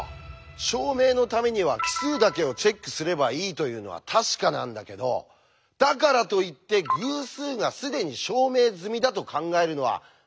証明のためには奇数だけをチェックすればいいというのは確かなんだけどだからといって偶数が既に証明済みだと考えるのは間違いなんですね。